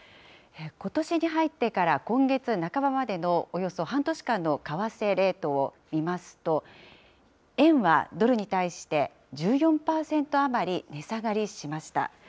ことしに入ってから、今月半ばまでのおよそ半年間の為替レートを見ますと、円はドルに対して、１４％余り値下がりしました。